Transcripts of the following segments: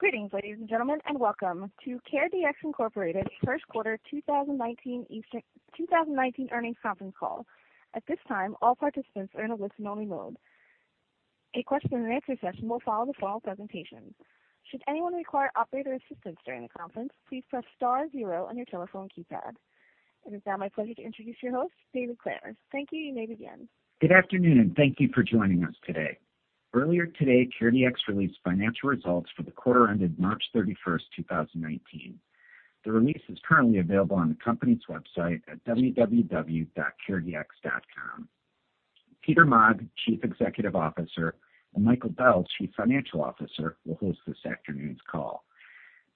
Greetings, ladies and gentlemen, welcome to CareDx, Inc. First Quarter 2019 Earnings Conference Call. At this time, all participants are in a listen-only mode. A question-and-answer session will follow the formal presentation. Should anyone require operator assistance during the conference, please press star zero on your telephone keypad. It is now my pleasure to introduce your host, David Klanner. Thank you. You may begin. Good afternoon. Thank you for joining us today. Earlier today, CareDx released financial results for the quarter ended March 31st, 2019. The release is currently available on the company's website at www.caredx.com. Peter Maag, Chief Executive Officer, and Michael Bell, Chief Financial Officer, will host this afternoon's call.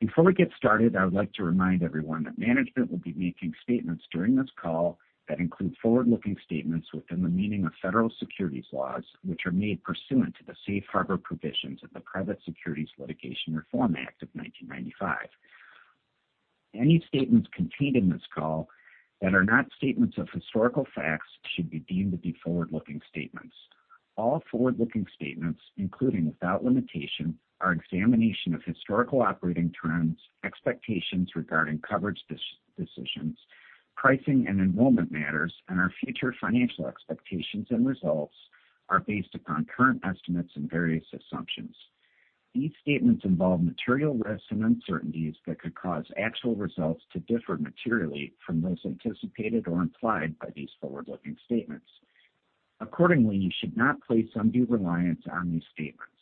Before we get started, I would like to remind everyone that management will be making statements during this call that include forward-looking statements within the meaning of federal securities laws, which are made pursuant to the safe harbor provisions of the Private Securities Litigation Reform Act of 1995. Any statements contained in this call that are not statements of historical facts should be deemed to be forward-looking statements. All forward-looking statements, including without limitation, our examination of historical operating trends, expectations regarding coverage decisions, pricing and enrollment matters, and our future financial expectations and results are based upon current estimates and various assumptions. These statements involve material risks and uncertainties that could cause actual results to differ materially from those anticipated or implied by these forward-looking statements. Accordingly, you should not place undue reliance on these statements.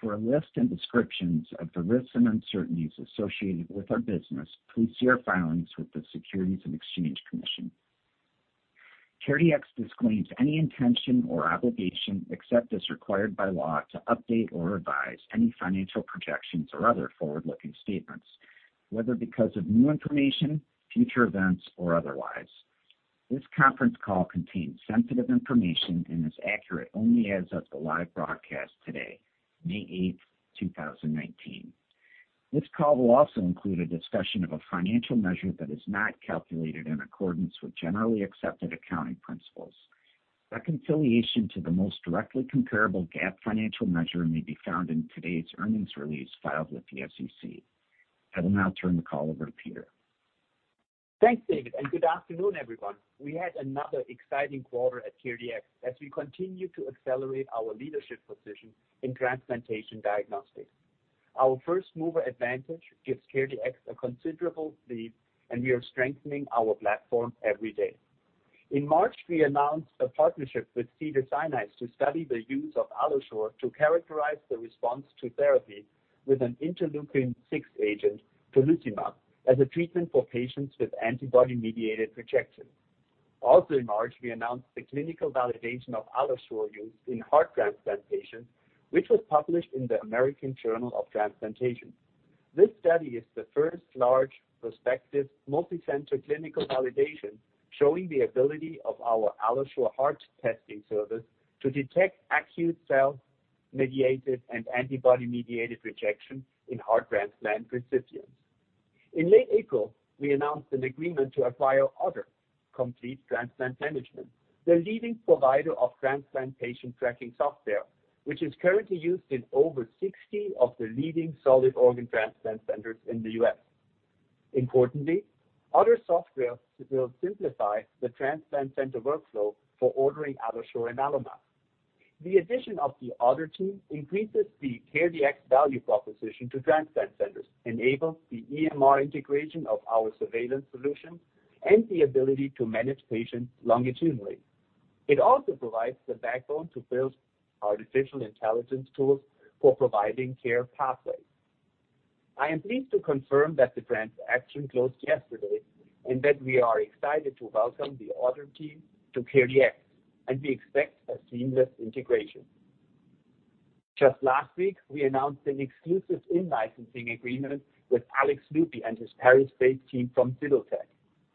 For a list and descriptions of the risks and uncertainties associated with our business, please see our filings with the Securities and Exchange Commission. CareDx disclaims any intention or obligation, except as required by law, to update or revise any financial projections or other forward-looking statements, whether because of new information, future events, or otherwise. This conference call contains sensitive information and is accurate only as of the live broadcast today, May 8th, 2019. This call will also include a discussion of a financial measure that is not calculated in accordance with generally accepted accounting principles. Reconciliation to the most directly comparable GAAP financial measure may be found in today's earnings release filed with the SEC. I will now turn the call over to Peter. Thanks, David, and good afternoon, everyone. We had another exciting quarter at CareDx as we continue to accelerate our leadership position in transplantation diagnostics. Our first-mover advantage gives CareDx a considerable lead, and we are strengthening our platform every day. In March, we announced a partnership with Cedars-Sinai to study the use of AlloSure to characterize the response to therapy with an interleukin-6 agent, tocilizumab, as a treatment for patients with antibody-mediated rejection. Also, in March, we announced the clinical validation of AlloSure use in heart transplant patients, which was published in the American Journal of Transplantation. This study is the first large prospective multicenter clinical validation showing the ability of our AlloSure Heart testing service to detect acute cell-mediated and antibody-mediated rejection in heart transplant recipients. In late April, we announced an agreement to acquire OTTR Complete Transplant Management, the leading provider of transplant patient tracking software, which is currently used in over 60 of the leading solid organ transplant centers in the U.S. Importantly, OTTR Software will simplify the transplant center workflow for ordering AlloSure and AlloMap. The addition of the OTTR team increases the CareDx value proposition to transplant centers, enables the EMR integration of our surveillance solution, and the ability to manage patients longitudinally. It also provides the backbone to build artificial intelligence tools for providing care pathways. I am pleased to confirm that the transaction closed yesterday, and that we are excited to welcome the OTTR team to CareDx, and we expect a seamless integration. Just last week, we announced an exclusive in-licensing agreement with Alex Loupy and his Paris-based team from Sibyl-Tech.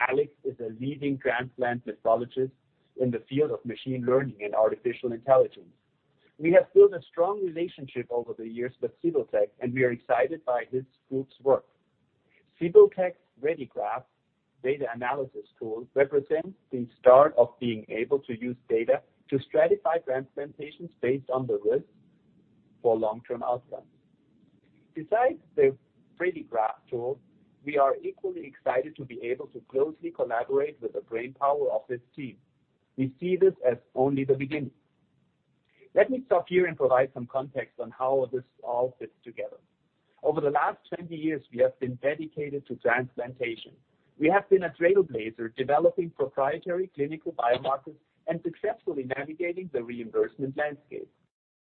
Alex is a leading transplant pathologist in the field of machine learning and artificial intelligence. We have built a strong relationship over the years with Sibyl-Tech, and we are excited by this group's work. Sibyl-Tech's Predigraft data analysis tool represents the start of being able to use data to stratify transplant patients based on the risk for long-term outcomes. Besides the Predigraft tool, we are equally excited to be able to closely collaborate with the brainpower of this team. We see this as only the beginning. Let me stop here and provide some context on how this all fits together. Over the last 20 years, we have been dedicated to transplantation. We have been a trailblazer developing proprietary clinical biomarkers and successfully navigating the reimbursement landscape.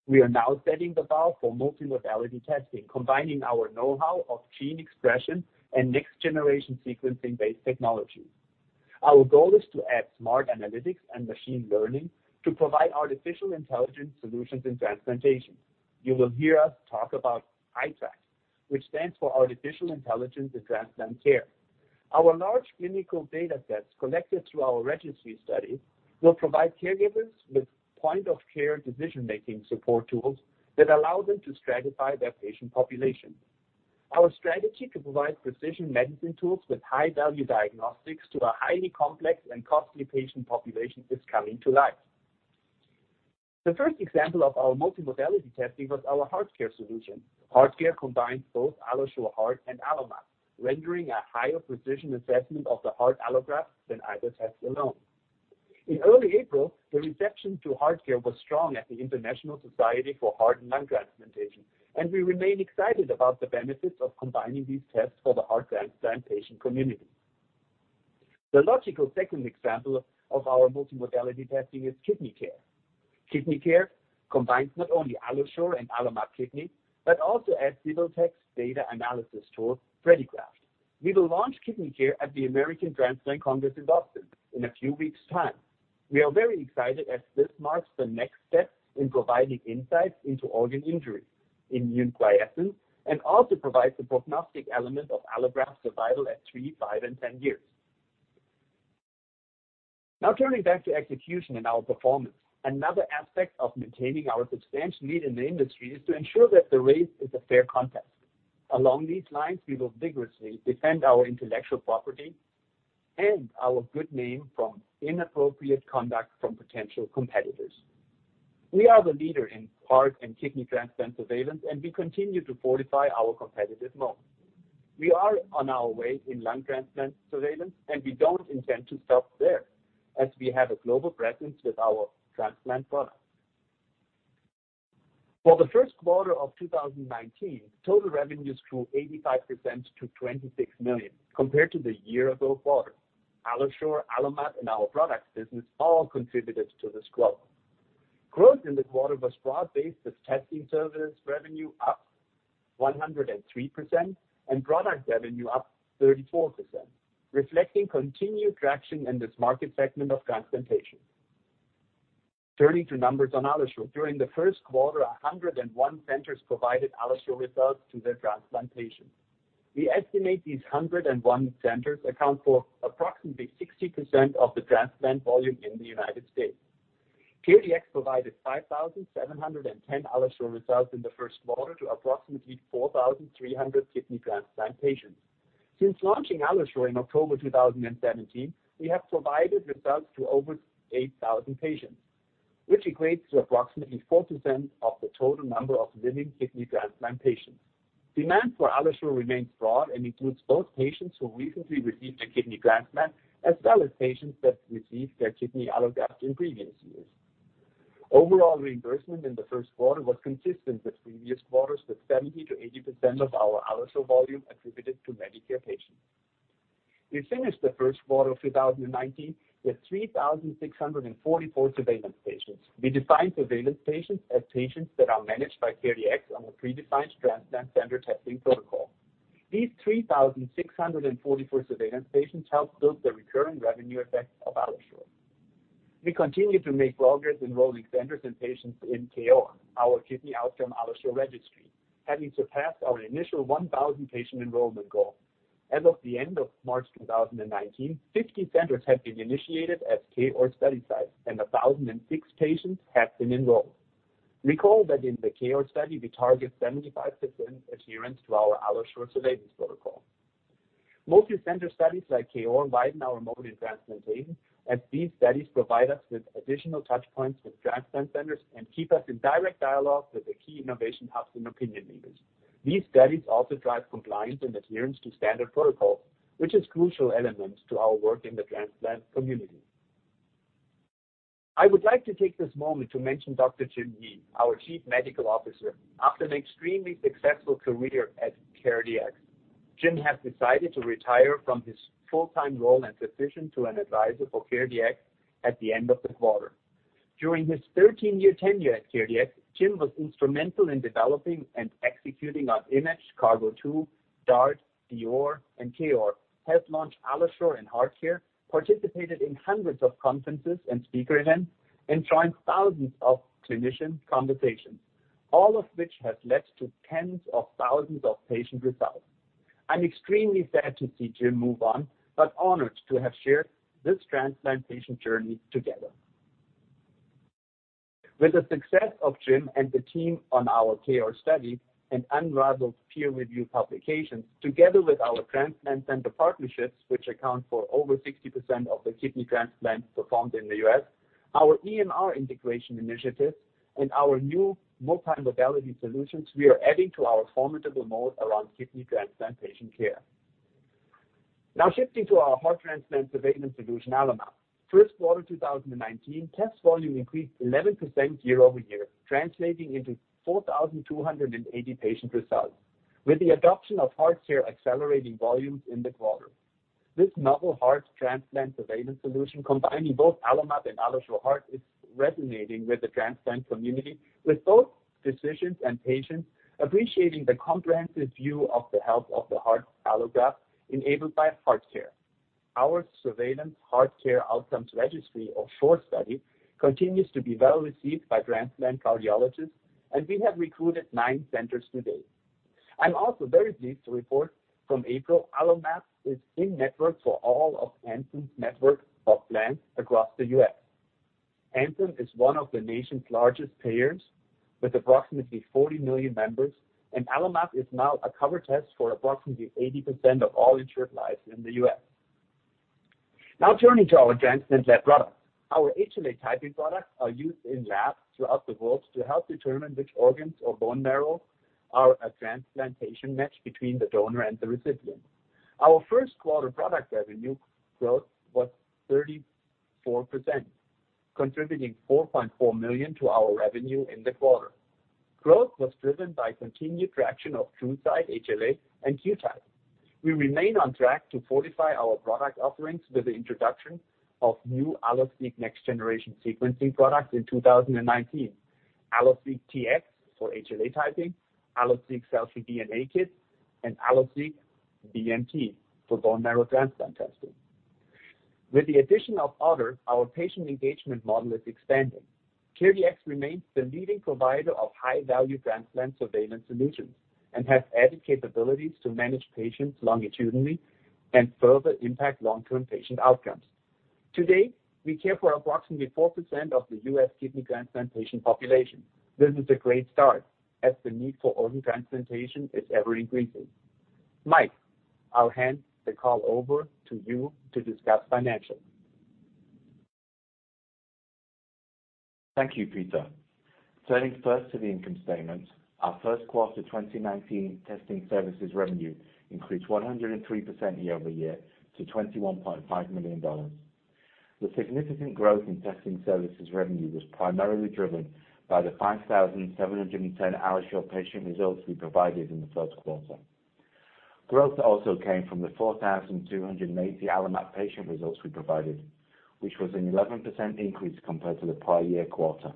We are now setting the bar for multimodality testing, combining our know-how of gene expression and next-generation sequencing-based technology. Our goal is to add smart analytics and machine learning to provide artificial intelligence solutions in transplantation. You will hear us talk about iTrak, which stands for artificial intelligence in transplant care. Our large clinical data sets collected through our registry study will provide caregivers with point-of-care decision-making support tools that allow them to stratify their patient population. Our strategy to provide precision medicine tools with high-value diagnostics to a highly complex and costly patient population is coming to life. The first example of our multimodality testing was our HeartCare solution. HeartCare combines both AlloSure Heart and AlloMap, rendering a higher precision assessment of the heart allograft than either test alone. In early April, the reception to HeartCare was strong at the International Society for Heart and Lung Transplantation, and we remain excited about the benefits of combining these tests for the heart transplant patient community. The logical second example of our multimodality testing is KidneyCare. KidneyCare combines not only AlloSure and AlloMap Kidney, but also adds Sibyl-Tech's data analysis tool, Predigraft. We will launch KidneyCare at the American Transplant Congress in Boston in a few weeks' time. We are very excited as this marks the next step in providing insights into organ injury, immune quiescence, and also provides the prognostic element of allograft survival at three, five, and 10 years. Turning back to execution and our performance. Another aspect of maintaining our substantial lead in the industry is to ensure that the race is a fair contest. Along these lines, we will vigorously defend our intellectual property and our good name from inappropriate conduct from potential competitors. We are the leader in heart and kidney transplant surveillance, and we continue to fortify our competitive moat. We are on our way in lung transplant surveillance. We don't intend to stop there as we have a global presence with our transplant products. For the first quarter of 2019, total revenues grew 85% to $26 million compared to the year-ago quarter. AlloSure, AlloMap, and our products business all contributed to this growth. Growth in the quarter was broad-based, with testing service revenue up 103% and product revenue up 34%, reflecting continued traction in this market segment of transplantation. Turning to numbers on AlloSure. During the first quarter, 101 centers provided AlloSure results to their transplant patients. We estimate these 101 centers account for approximately 60% of the transplant volume in the U.S. CareDx provided 5,710 AlloSure results in the first quarter to approximately 4,300 kidney transplant patients. Since launching AlloSure in October 2017, we have provided results to over 8,000 patients, which equates to approximately 4% of the total number of living kidney transplant patients. Demand for AlloSure remains broad and includes both patients who recently received a kidney transplant, as well as patients that received their kidney allograft in previous years. Overall reimbursement in the first quarter was consistent with previous quarters, with 70%-80% of our AlloSure volume attributed to Medicare patients. We finished the first quarter of 2019 with 3,644 surveillance patients. We define surveillance patients as patients that are managed by CareDx on a predefined transplant center testing protocol. These 3,644 surveillance patients help build the recurring revenue effect of AlloSure. We continue to make progress enrolling centers and patients in KOAR, our Kidney Outcome AlloSure Registry, having surpassed our initial 1,000 patient enrollment goal. As of the end of March 2019, 50 centers have been initiated as KOAR study sites, and 1,006 patients have been enrolled. Recall that in the KOAR study, we target 75% adherence to our AlloSure surveillance protocol. Most center studies like KOAR widen our moat in transplantation, as these studies provide us with additional touch points with transplant centers and keep us in direct dialogue with the key innovation hubs and opinion leaders. These studies also drive compliance and adherence to standard protocol, which is crucial elements to our work in the transplant community. I would like to take this moment to mention Dr. Jim Yee, our Chief Medical Officer. After an extremely successful career at CareDx, Jim has decided to retire from his full-time role and position to an advisor for CareDx at the end of the quarter. During his 13-year tenure at CareDx, Jim was instrumental in developing and executing our IMAGE, CARGO II, DART, DIOR, and KOAR, helped launch AlloSure and HeartCare, participated in hundreds of conferences and speaker events, and joined thousands of clinician conversations, all of which have led to tens of thousands of patient results. I'm extremely sad to see Jim move on, but honored to have shared this transplantation journey together. With the success of Jim and the team on our KOAR study and unraveled peer-reviewed publications, together with our transplant center partnerships, which account for over 60% of the kidney transplants performed in the U.S., our EMR integration initiatives and our new multimodality solutions, we are adding to our formidable moat around kidney transplant patient care. Shifting to our heart transplant surveillance solution, AlloMap. First quarter 2019, test volume increased 11% year-over-year, translating into 4,280 patient results, with the adoption of HeartCare accelerating volumes in the quarter. This novel heart transplant surveillance solution, combining both AlloMap and AlloSure Heart, is resonating with the transplant community, with both physicians and patients appreciating the comprehensive view of the health of the heart allograft enabled by HeartCare. Our surveillance HeartCare Outcomes Registry, or SHORE study, continues to be well received by transplant cardiologists, and we have recruited nine centers to date. I'm also very pleased to report from April, AlloMap is in network for all of Anthem's network of plans across the U.S. Anthem is one of the nation's largest payers with approximately 40 million members, and AlloMap is now a cover test for approximately 80% of all insured lives in the U.S. Turning to our transplant lab products. Our HLA typing products are used in labs throughout the world to help determine which organs or bone marrow are a transplantation match between the donor and the recipient. Our first quarter product revenue growth was 34%, contributing $4.4 million to our revenue in the quarter. Growth was driven by continued traction of TruSight HLA and QType. We remain on track to fortify our product offerings with the introduction of new AlloSeq next-generation sequencing products in 2019. AlloSeq Tx for HLA typing, AlloSeq cfDNA Kits, and AlloSeq-BMT for bone marrow transplant testing. With the addition of others, our patient engagement model is expanding. CareDx remains the leading provider of high-value transplant surveillance solutions and has added capabilities to manage patients longitudinally and further impact long-term patient outcomes. Today, we care for approximately 4% of the U.S. kidney transplant patient population. This is a great start as the need for organ transplantation is ever-increasing. Mike, I'll hand the call over to you to discuss financials. Thank you, Peter. Turning first to the income statement. Our first quarter 2019 testing services revenue increased 103% year-over-year to $21.5 million. The significant growth in testing services revenue was primarily driven by the 5,710 AlloSure patient results we provided in the first quarter. Growth also came from the 4,280 AlloMap patient results we provided, which was an 11% increase compared to the prior-year quarter.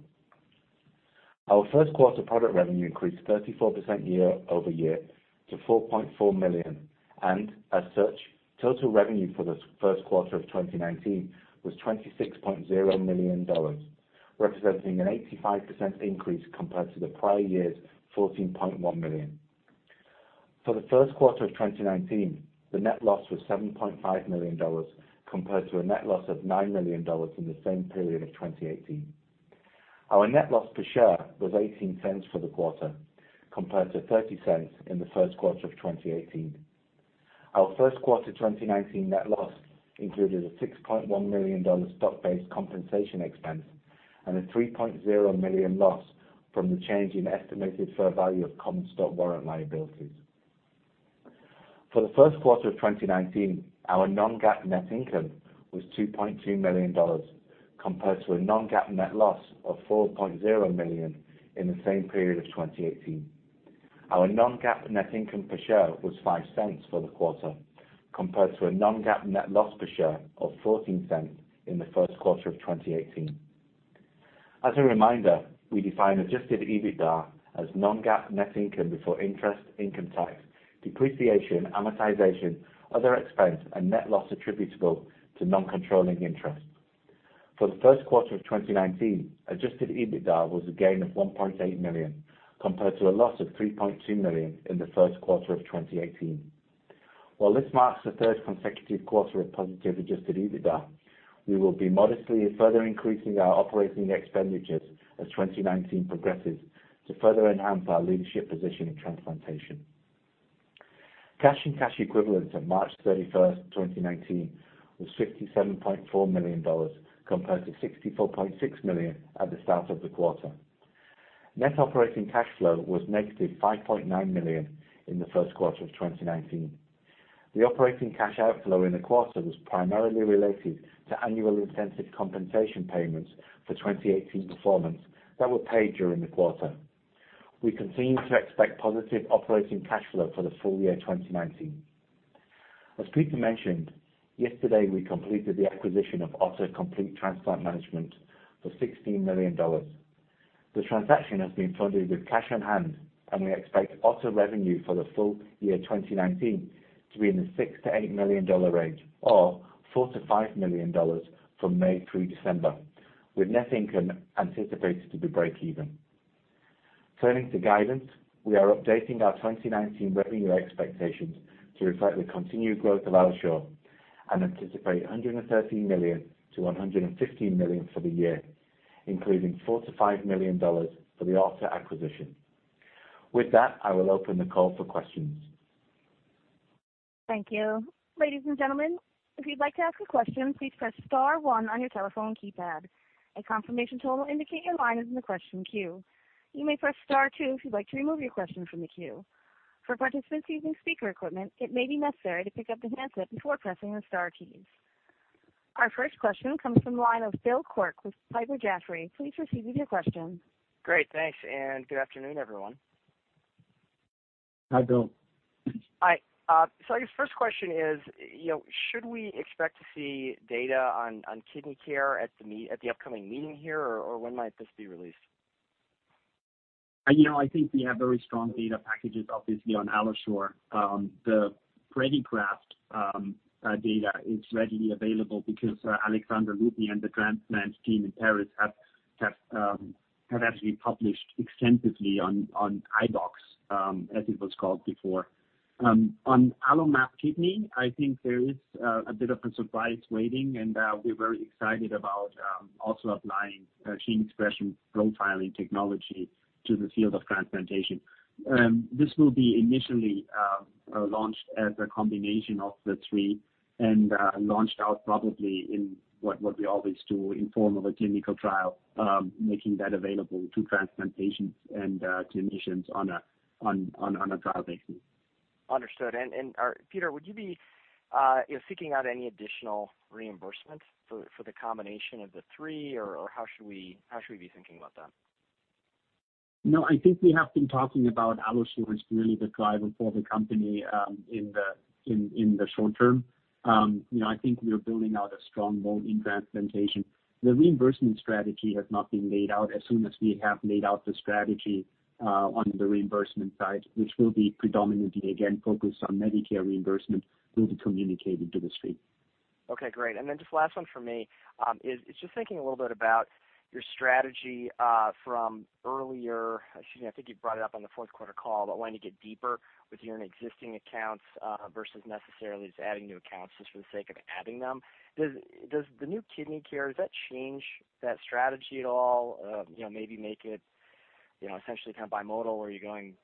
Our first quarter product revenue increased 34% year-over-year to $4.4 million, and as such, total revenue for the first quarter of 2019 was $26.0 million, representing an 85% increase compared to the prior year's $14.1 million. For the first quarter of 2019, the net loss was $7.5 million, compared to a net loss of $9 million in the same period of 2018. Our net loss per share was $0.18 for the quarter, compared to $0.30 in the first quarter of 2018. Our first quarter 2019 net loss included a $6.1 million stock-based compensation expense and a $3.0 million loss from the change in estimated fair value of common stock warrant liabilities. For the first quarter of 2019, our non-GAAP net income was $2.2 million, compared to a non-GAAP net loss of $4.0 million in the same period of 2018. Our non-GAAP net income per share was $0.05 for the quarter, compared to a non-GAAP net loss per share of $0.14 in the first quarter of 2018. As a reminder, we define adjusted EBITDA as non-GAAP net income before interest, income tax, depreciation, amortization, other expense, and net loss attributable to non-controlling interest. For the first quarter of 2019, adjusted EBITDA was a gain of $1.8 million, compared to a loss of $3.2 million in the first quarter of 2018. While this marks the third consecutive quarter of positive adjusted EBITDA, we will be modestly further increasing our operating expenditures as 2019 progresses to further enhance our leadership position in transplantation. Cash and cash equivalents at March 31st, 2019, was $57.4 million, compared to $64.6 million at the start of the quarter. Net operating cash flow was negative $5.9 million in the first quarter of 2019. The operating cash outflow in the quarter was primarily related to annual incentive compensation payments for 2018 performance that were paid during the quarter. We continue to expect positive operating cash flow for the full year 2019. As Peter mentioned, yesterday we completed the acquisition of OTTR Complete Transplant Management for $16 million. The transaction has been funded with cash on hand, and we expect OTTR revenue for the full year 2019 to be in the $6 million-$8 million range, or $4 million-$5 million from May through December, with net income anticipated to be break even. Turning to guidance, we are updating our 2019 revenue expectations to reflect the continued growth of AlloSure and anticipate $113 million-$115 million for the year, including $4 million-$5 million for the OTTR acquisition. With that, I will open the call for questions. Thank you. Ladies and gentlemen, if you'd like to ask a question, please press star one on your telephone keypad. A confirmation tone will indicate your line is in the question queue. You may press star two if you'd like to remove your question from the queue. For participants using speaker equipment, it may be necessary to pick up the handset before pressing the star keys. Our first question comes from the line of Bill Quirk with Piper Jaffray. Please proceed with your question. Great, thanks. Good afternoon, everyone. Hi, Bill. Hi. I guess first question is, should we expect to see data on KidneyCare at the upcoming meeting here, or when might this be released? I think we have very strong data packages, obviously, on AlloSure. The Predigraft data is readily available because Alexandre Loupy and the transplant team in Paris have actually published extensively on iBox, as it was called before. On AlloMap Kidney, I think there is a bit of a surprise waiting, and we're very excited about Applying gene expression profiling technology to the field of transplantation. This will be initially launched as a combination of the three and launched out probably in what we always do in form of a clinical trial, making that available to transplant patients and clinicians on a trial basis. Understood. Peter, would you be seeking out any additional reimbursement for the combination of the three, or how should we be thinking about that? I think we have been talking about AlloSure as really the driver for the company in the short term. I think we are building out a strong mode in transplantation. The reimbursement strategy has not been laid out. As soon as we have laid out the strategy on the reimbursement side, which will be predominantly, again, focused on Medicare reimbursement, we'll be communicating to the street. Okay, great. Just last one from me, is just thinking a little bit about your strategy from earlier, actually, I think you brought it up on the fourth quarter call, but wanting to get deeper within existing accounts, versus necessarily just adding new accounts just for the sake of adding them. Does the new KidneyCare, does that change that strategy at all? Maybe make it essentially kind of bimodal, where you're going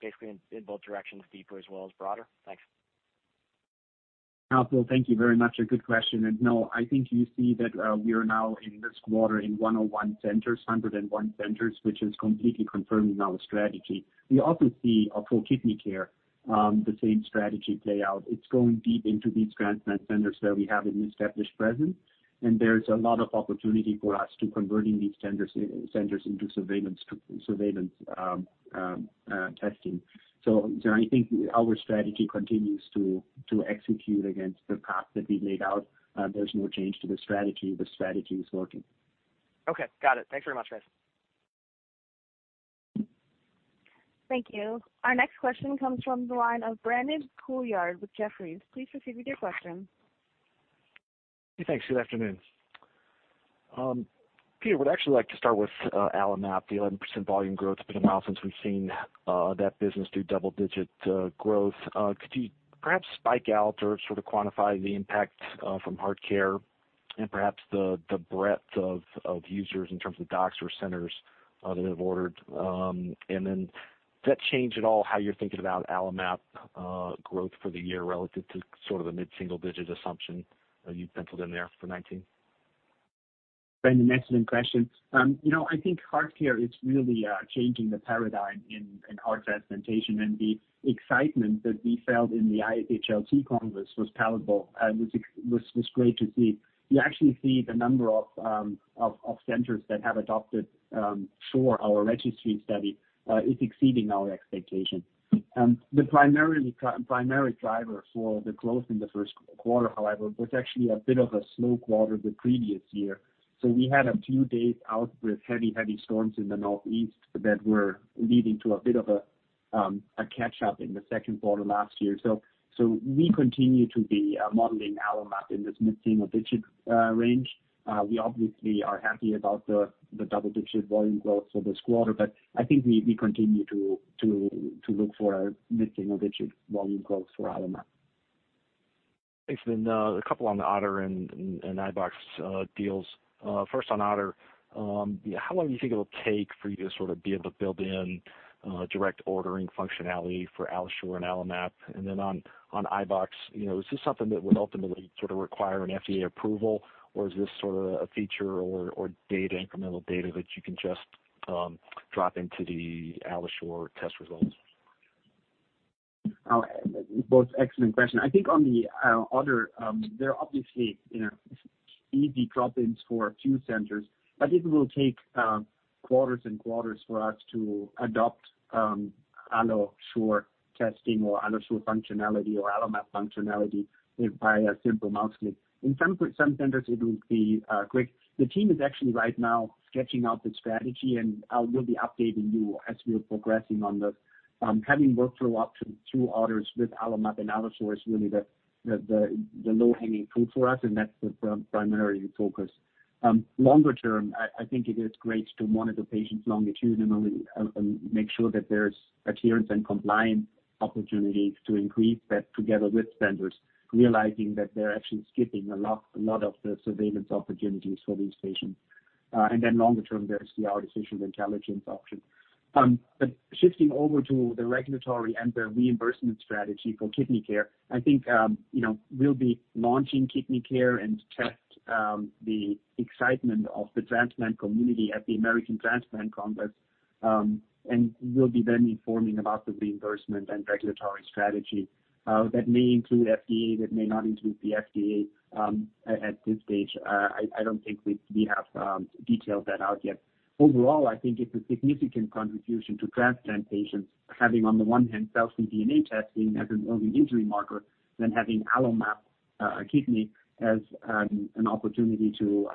basically in both directions, deeper as well as broader? Thanks. No. Thank you very much. A good question, no, I think you see that we are now in this quarter in 101 centers, which is completely confirming our strategy. We also see for KidneyCare the same strategy play out. It's going deep into these transplant centers where we have an established presence, and there's a lot of opportunity for us to converting these centers into surveillance testing. I think our strategy continues to execute against the path that we laid out. There's no change to the strategy. The strategy is working. Okay, got it. Thanks very much, guys. Thank you. Our next question comes from the line of Brandon Couillard with Jefferies. Please proceed with your question. Hey, thanks. Good afternoon. Peter, would actually like to start with AlloMap, the 11% volume growth. It has been a while since we have seen that business do double-digit growth. Could you perhaps spike out or sort of quantify the impact from HeartCare and perhaps the breadth of users in terms of docs or centers that have ordered? Does that change at all how you are thinking about AlloMap growth for the year relative to sort of the mid-single-digit assumption that you have penciled in there for 2019? Brandon, excellent question. I think HeartCare is really changing the paradigm in heart transplantation and the excitement that we felt in the ISHLT Congress was palpable and was great to see. We actually see the number of centers that have adopted for our registry study is exceeding our expectation. The primary driver for the growth in the first quarter, however, was actually a bit of a slow quarter the previous year. We had a few days out with heavy storms in the Northeast that were leading to a bit of a catch-up in the second quarter last year. We continue to be modeling AlloMap in this mid-single-digit range. We obviously are happy about the double-digit volume growth for this quarter, but I think we continue to look for a mid-single-digit volume growth for AlloMap. Thanks. A couple on the OTTR and iBox deals. First on OTTR, how long do you think it will take for you to sort of be able to build in direct ordering functionality for AlloSure and AlloMap? On iBox, is this something that would ultimately sort of require an FDA approval, or is this sort of a feature or incremental data that you can just drop into the AlloSure test results? Both excellent question. I think on the OTTR, they are obviously easy drop-ins for a few centers, but it will take quarters and quarters for us to adopt AlloSure testing or AlloSure functionality or AlloMap functionality via simple mouse click. In some centers, it will be quick. The team is actually right now sketching out the strategy, and we will be updating you as we are progressing on this. Having workflow options through OTTR with AlloMap and AlloSure is really the low-hanging fruit for us, and that is the primary focus. Longer term, I think it is great to monitor patients longitudinally and make sure that there is adherence and compliance opportunities to increase that together with centers, realizing that they are actually skipping a lot of the surveillance opportunities for these patients. Longer term, there is the artificial intelligence option. Shifting over to the regulatory and the reimbursement strategy for KidneyCare, I think we'll be launching KidneyCare and test the excitement of the transplant community at the American Transplant Congress, and we'll be then informing about the reimbursement and regulatory strategy. That may include FDA, that may not include the FDA. At this stage, I don't think we have detailed that out yet. Overall, I think it's a significant contribution to transplant patients having, on the one hand, cell-free DNA testing as an early injury marker, then having AlloMap Kidney as an opportunity to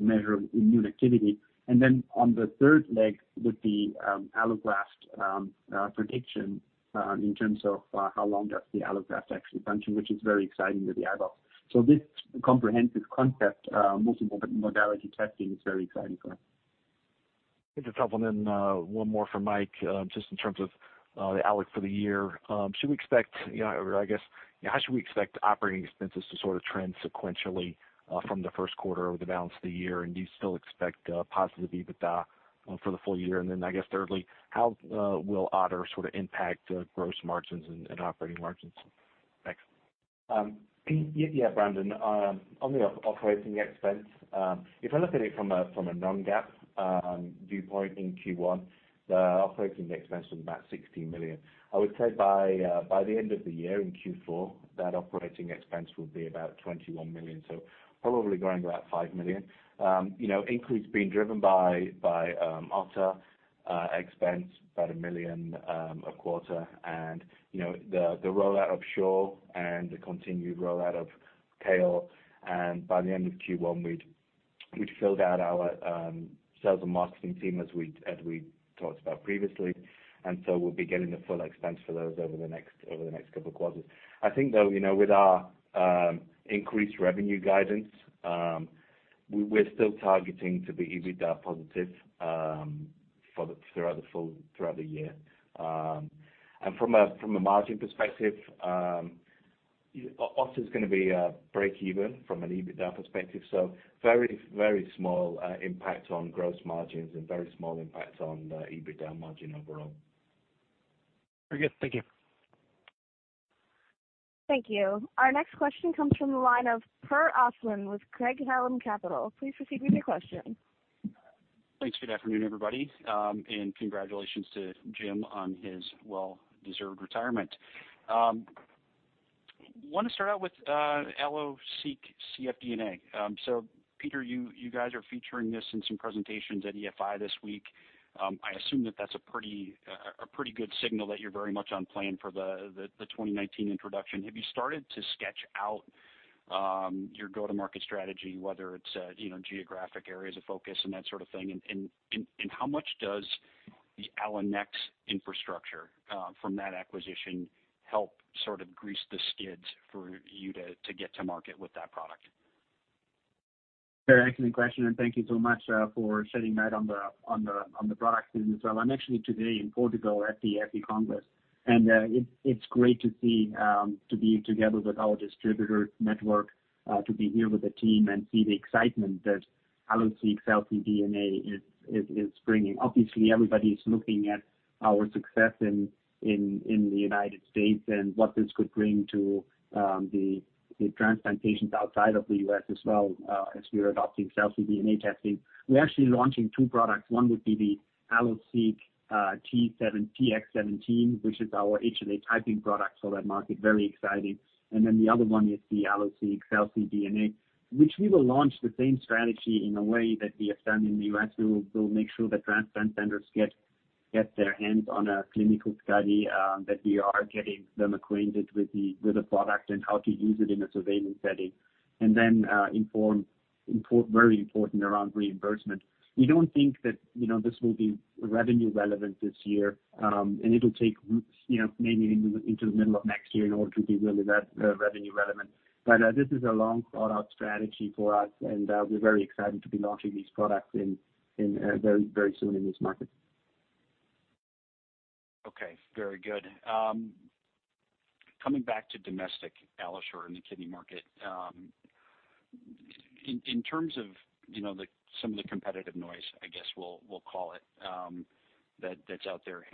measure immune activity. Then on the third leg with the allograft prediction in terms of how long does the allograft actually function, which is very exciting with the iBox. This comprehensive concept, multi-modality testing, is very exciting for us. I think it's helpful. One more for Mike, just in terms of the outlook for the year. Should we expect or I guess, how should we expect operating expenses to sort of trend sequentially from the first quarter over the balance of the year? Do you still expect a positive EBITDA for the full year? Then, I guess thirdly, how will OTTR impact gross margins and operating margins? Thanks. Yeah, Brandon. On the operating expense, if I look at it from a non-GAAP viewpoint in Q1, the operating expense was about $16 million. I would say by the end of the year in Q4, that operating expense will be about $21 million. Probably growing about $5 million. Increase being driven by OTTR expense about $1 million a quarter and the rollout of AlloSure and the continued rollout of AlloMap. By the end of Q1, we'd filled out our sales and marketing team as we talked about previously. So we'll be getting the full expense for those over the next couple of quarters. I think though, with our increased revenue guidance, we're still targeting to be EBITDA positive throughout the year. From a margin perspective, OTTR's going to be break-even from an EBITDA perspective. Very small impact on gross margins and very small impact on the EBITDA margin overall. Very good. Thank you. Thank you. Our next question comes from the line of Per Ostlund with Craig-Hallum Capital. Please proceed with your question. Thanks. Good afternoon, everybody, and congratulations to Jim on his well-deserved retirement. Want to start out with AlloSeq cfDNA. Peter, you guys are featuring this in some presentations at EFI this week. I assume that that's a pretty good signal that you're very much on plan for the 2019 introduction. How much does the Allenex infrastructure from that acquisition help sort of grease the skids for you to get to market with that product? Very excellent question. Thank you so much for sharing that on the product as well. I'm actually today in Portugal at the EFI Congress. It's great to be together with our distributor network, to be here with the team and see the excitement that AlloSeq cfDNA is bringing. Obviously, everybody is looking at our success in the U.S. and what this could bring to the transplant patients outside of the U.S. as well, as we are adopting cell-free DNA testing. We're actually launching two products. One would be the AlloSeq Tx17, which is our HLA typing product for that market. Very exciting. The other one is the AlloSeq cfDNA, which we will launch the same strategy in a way that we have done in the U.S. We will make sure that transplant centers get their hands on a clinical study, that we are getting them acquainted with the product and how to use it in a surveillance setting. Very important around reimbursement. We don't think that this will be revenue relevant this year, and it'll take roots maybe into the middle of next year in order to be really that revenue relevant. This is a long thought out strategy for us, and we're very excited to be launching these products very soon in this market. Okay. Very good. Coming back to domestic AlloSure in the kidney market. In terms of some of the competitive noise, I guess we'll call it, that's out there.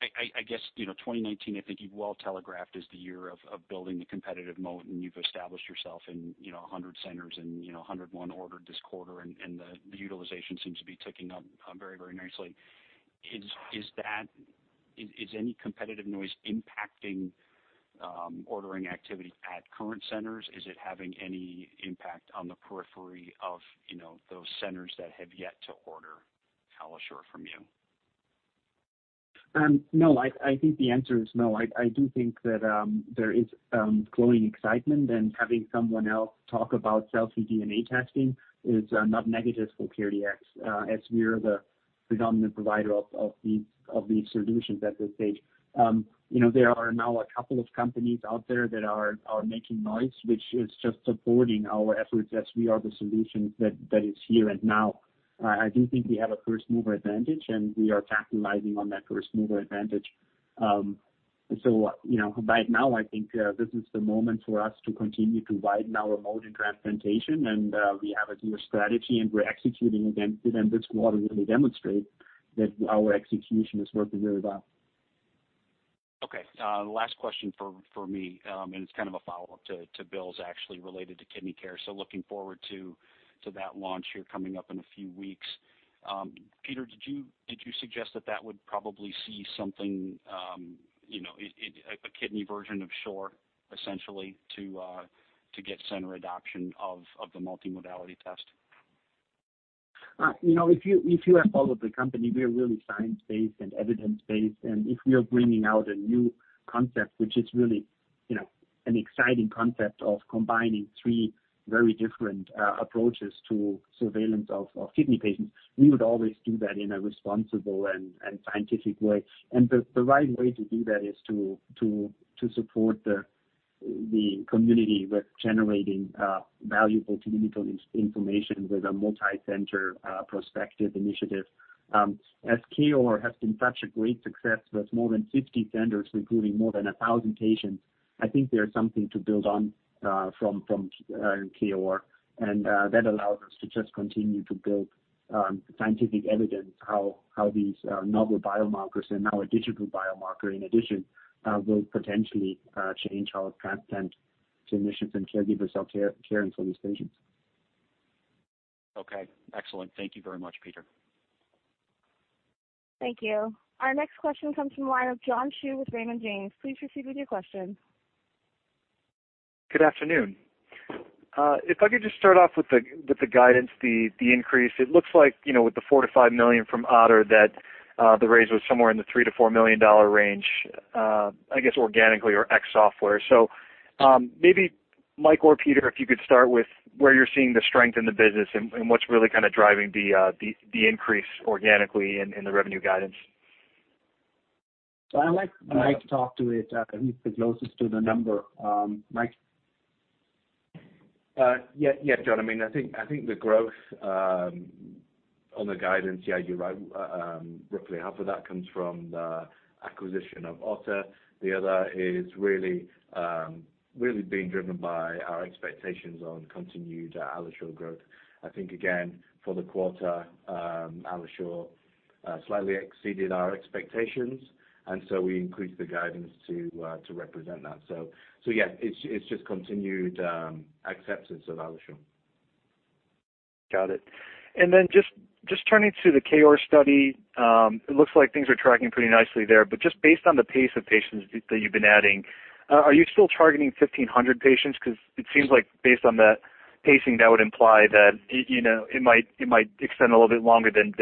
I guess 2019, I think you've well telegraphed is the year of building the competitive moat and you've established yourself in 100 centers and 101 ordered this quarter and the utilization seems to be ticking up very nicely. Is any competitive noise impacting ordering activity at current centers? Is it having any impact on the periphery of those centers that have yet to order AlloSure from you? No, I think the answer is no. I do think that there is growing excitement and having someone else talk about cell-free DNA testing is not negative for CareDx as we are the predominant provider of these solutions at this stage. There are now a couple of companies out there that are making noise, which is just supporting our efforts as we are the solution that is here and now. I do think we have a first-mover advantage, and we are capitalizing on that first-mover advantage. By now, I think this is the moment for us to continue to widen our moat in transplantation, and we have a clear strategy, and we're executing again within this quarter really demonstrate that our execution is working very well. Okay. Last question for me, and it's kind of a follow-up to Bill's actually related to KidneyCare. Looking forward to that launch here coming up in a few weeks. Peter, did you suggest that would probably see something, a kidney version of AlloSure essentially to get center adoption of the multimodality test? If you have followed the company, we are really science-based and evidence-based, if we are bringing out a new concept, which is really an exciting concept of combining three very different approaches to surveillance of kidney patients, we would always do that in a responsible and scientific way. The right way to do that is to support the community with generating valuable clinical information with a multi-center prospective initiative. As K-OAR has been such a great success with more than 50 centers recruiting more than 1,000 patients, I think there's something to build on from K-OAR, and that allows us to just continue to build scientific evidence how these novel biomarkers and now a digital biomarker, in addition, will potentially change how transplant clinicians and caregivers are caring for these patients. Okay. Excellent. Thank you very much, Peter. Thank you. Our next question comes from the line of John Hsu with Raymond James. Please proceed with your question. Good afternoon. If I could just start off with the guidance, the increase. It looks like, with the $4 million-$5 million from OTTR, that the raise was somewhere in the $3 million-$4 million range, I guess, organically or ex software. Maybe Mike or Peter, if you could start with where you're seeing the strength in the business and what's really kind of driving the increase organically in the revenue guidance. I would like Mike to talk to it. I think he's the closest to the number. Mike? Yeah, John. I think the growth on the guidance, yeah, you're right. Roughly half of that comes from the acquisition of OTTR. The other is really being driven by our expectations on continued AlloSure growth. I think, again, for the quarter, AlloSure slightly exceeded our expectations, we increased the guidance to represent that. Yeah, it's just continued acceptance of AlloSure. Got it. Then just turning to the K-OAR study. It looks like things are tracking pretty nicely there, but just based on the pace of patients that you've been adding, are you still targeting 1,500 patients? It seems like based on the pacing, that would imply that it might extend a little bit longer than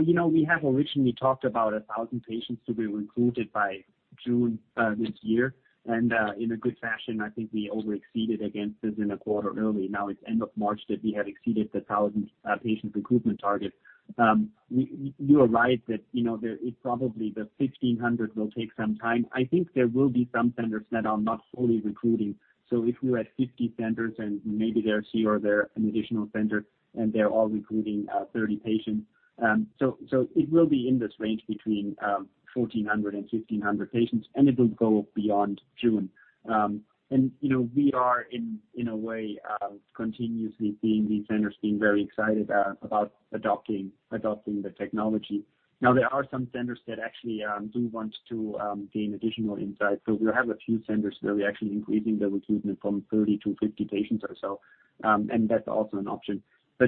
mid-2019. We have originally talked about 1,000 patients to be recruited by June this year, and in a good fashion, I think we over exceeded against this in a quarter early. Now it's end of March that we have exceeded the 1,000 patients recruitment target. You are right that probably the 1,500 will take some time. I think there will be some centers that are not fully recruiting. If we're at 50 centers and maybe they're K-OAR, they're an additional center, and they're all recruiting 30 patients. It will be in this range between 1,400 and 1,500 patients, and it will go beyond June. We are, in a way, continuously seeing these centers being very excited about adopting the technology. Now, there are some centers that actually do want to gain additional insight. We have a few centers where we are actually increasing the recruitment from 30 to 50 patients or so. That is also an option.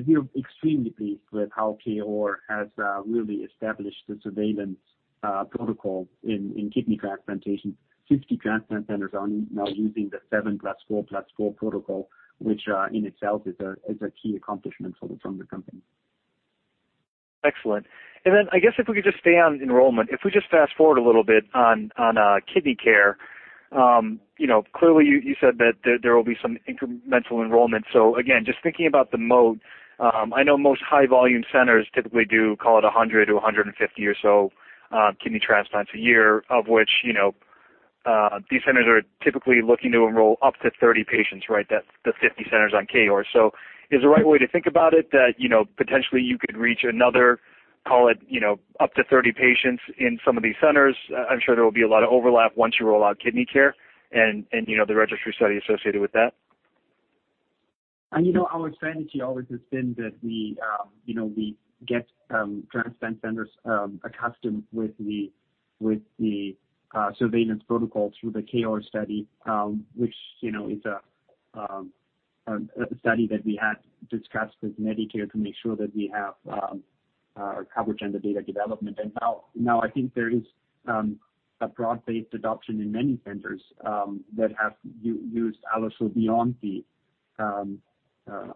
We are extremely pleased with how K-OAR has really established the surveillance protocol in kidney transplantations. 50 transplant centers are now using the 7+4+4 protocol, which in itself is a key accomplishment from the company. Excellent. Then I guess if we could just stay on enrollment. If we just fast-forward a little bit on KidneyCare. Clearly, you said that there will be some incremental enrollment. Again, just thinking about the mode. I know most high volume centers typically do, call it, 100 to 150 or so kidney transplants a year, of which these centers are typically looking to enroll up to 30 patients. The 50 centers on K-OAR. Is the right way to think about it that potentially you could reach another, call it, up to 30 patients in some of these centers? I am sure there will be a lot of overlap once you roll out KidneyCare and the registry study associated with that. Our strategy always has been that we get transplant centers accustomed with the surveillance protocol through the K-OAR study, which is a study that we had discussed with Medicare to make sure that we have coverage under data development. Now, I think there is a broad-based adoption in many centers that have used AlloSure beyond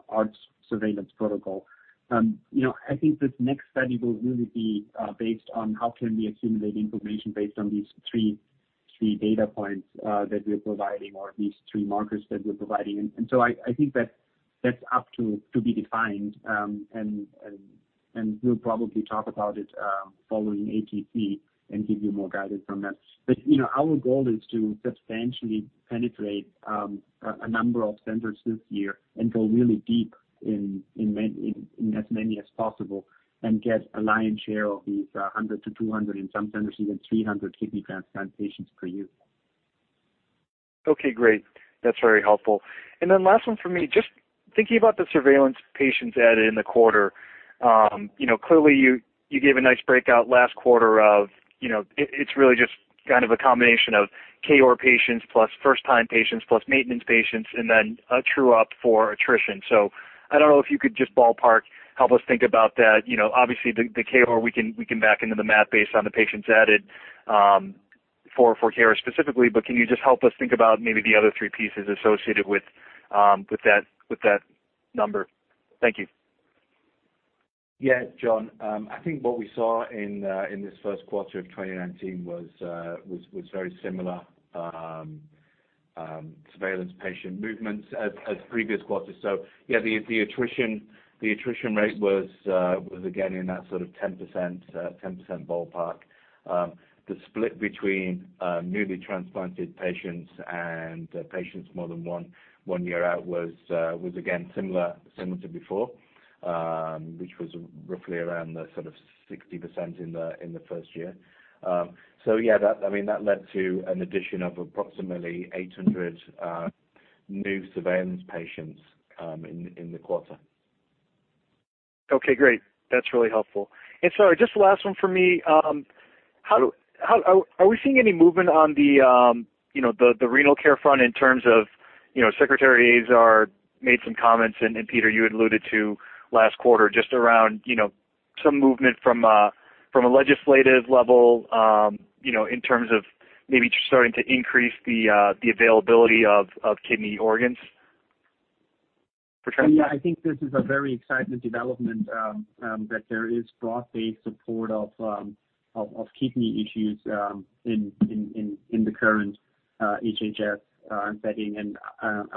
our surveillance protocol. I think this next study will really be based on how can we accumulate information based on these three data points that we are providing, or these three markers that we are providing. I think that is up to be defined. We will probably talk about it following ATC and give you more guidance on that. Our goal is to substantially penetrate a number of centers this year and go really deep in as many as possible and get a lion's share of these 100 to 200, and some centers, even 300 kidney transplant patients per year. Last one for me, just thinking about the surveillance patients added in the quarter. Clearly, you gave a nice breakout last quarter of it's really just kind of a combination of K-OAR patients plus first time patients, plus maintenance patients, and then a true up for attrition. I don't know if you could just ballpark help us think about that. Obviously, the K-OAR we can back into the math based on the patients added for Care specifically, can you just help us think about maybe the other three pieces associated with that number? Thank you. Yeah, John. I think what we saw in this first quarter of 2019 was very similar. Surveillance patient movements as previous quarters. Yeah, the attrition rate was again in that sort of 10% ballpark. The split between newly transplanted patients and patients more than one year out was again similar to before, which was roughly around the sort of 60% in the first year. Yeah, that led to an addition of approximately 800 new surveillance patients in the quarter. Okay, great. That's really helpful. Sorry, just the last one for me. Are we seeing any movement on the renal care front in terms of Secretary Azar made some comments, Peter, you had alluded to last quarter, just around some movement from a legislative level, in terms of maybe starting to increase the availability of kidney organs? Yeah, I think this is a very exciting development, that there is broad-based support of kidney issues in the current HHS setting,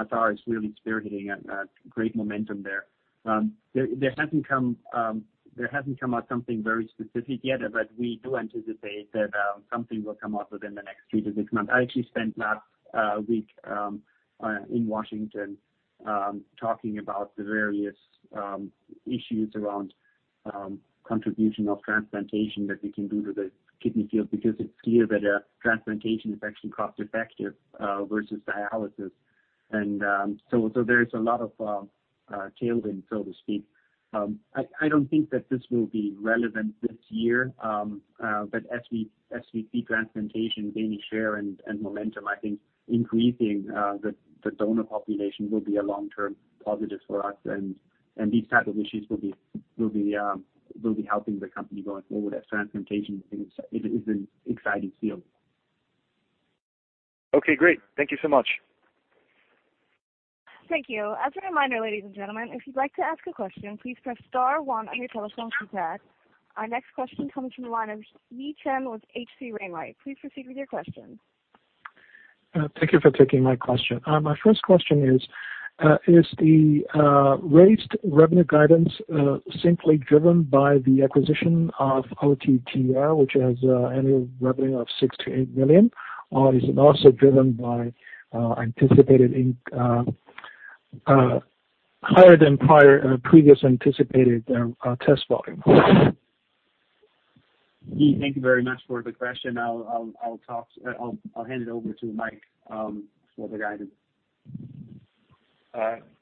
Azar is really spearheading a great momentum there. There hasn't come out something very specific yet, we do anticipate that something will come out within the next two to six months. I actually spent last week in Washington, talking about the various issues around contribution of transplantation that we can do to the kidney field, because it's clear that transplantation is actually cost-effective, versus dialysis. There's a lot of tailwind, so to speak. I don't think that this will be relevant this year. As we see transplantation gaining share and momentum, I think increasing the donor population will be a long-term positive for us and these type of issues will be helping the company going forward as transplantation is an exciting field. Okay, great. Thank you so much. Thank you. As a reminder, ladies and gentlemen, if you'd like to ask a question, please press star one on your telephone keypad. Our next question comes from the line of Yi Chen with H.C. Wainwright. Please proceed with your question. Thank you for taking my question. My first question is the raised revenue guidance simply driven by the acquisition of OTTR, which has annual revenue of $6 million-$8 million? Or is it also driven by higher than previous anticipated test volume? Yi, thank you very much for the question. I'll hand it over to Mike for the guidance.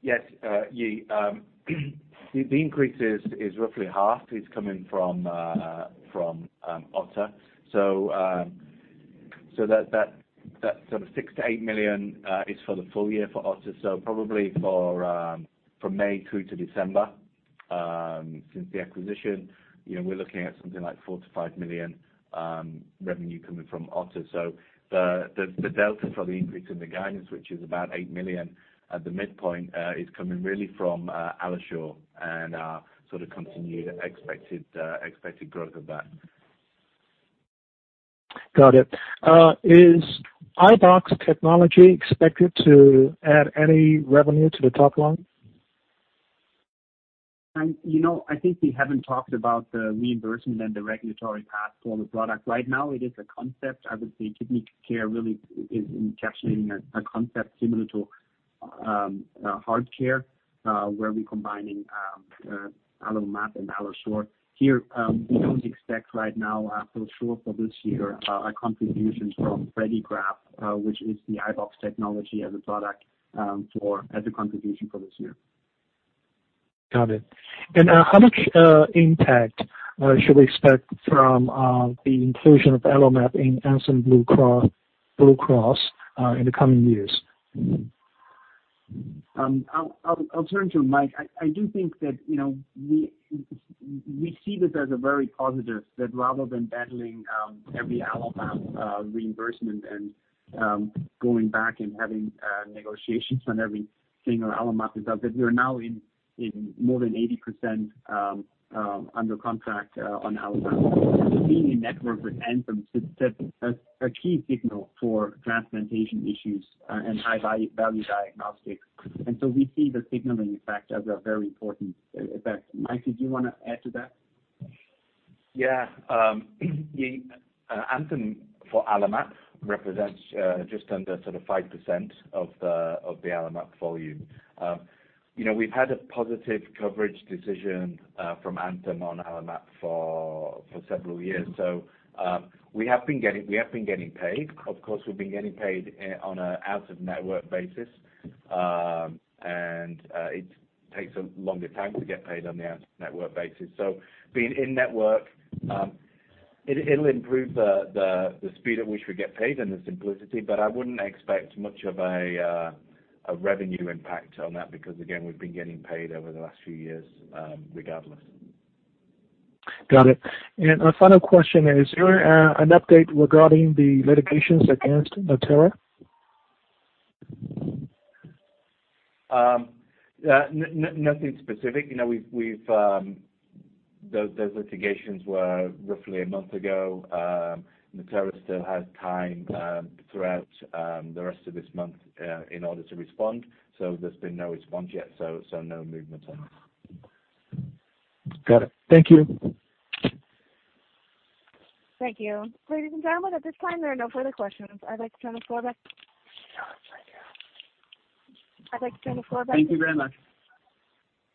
Yes, Yi. The increase is roughly half is coming from OTTR. That sort of $6 million-$8 million, is for the full year for OTTR, so probably from May through to December, since the acquisition. We're looking at something like $4 million-$5 million, revenue coming from OTTR. The delta for the increase in the guidance, which is about $8 million at the midpoint, is coming really from AlloSure and our sort of continued expected growth of that. Got it. Is iBox technology expected to add any revenue to the top line? I think we haven't talked about the reimbursement and the regulatory path for the product. Right now, it is a concept. I would say KidneyCare really is encapsulating a concept similar to HeartCare, where we're combining AlloMap and AlloSure. Here, we don't expect right now for sure for this year a contribution from Predigraft, which is the iBox technology as a product for as a contribution for this year. How much impact should we expect from the inclusion of AlloMap in Anthem Blue Cross in the coming years? I'll turn to Mike. I do think that we see this as a very positive, that rather than battling every AlloMap reimbursement and going back and having negotiations on every single AlloMap result, that we're now in more than 80% under contract on AlloMap. Being in-network with Anthem sets a key signal for transplantation issues and high-value diagnostics. So we see the signaling effect as a very important effect. Mike, did you want to add to that? Yeah. Anthem for AlloMap represents just under 5% of the AlloMap volume. We've had a positive coverage decision from Anthem on AlloMap for several years. We have been getting paid. Of course, we've been getting paid on an out-of-network basis. It takes a longer time to get paid on the out-of-network basis. Being in-network, it'll improve the speed at which we get paid and the simplicity, but I wouldn't expect much of a revenue impact on that because, again, we've been getting paid over the last few years, regardless. Got it. A final question. Is there an update regarding the litigations against Natera? Nothing specific. Those litigations were roughly a month ago. Natera still has time throughout the rest of this month in order to respond. There's been no response yet, so no movement on that. Got it. Thank you. Thank you. Ladies and gentlemen, at this time, there are no further questions. I'd like to turn the floor back. Thank you very much.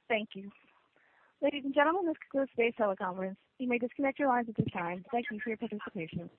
Thank you. Ladies and gentlemen, this concludes today's teleconference. You may disconnect your lines at this time. Thank you for your participation.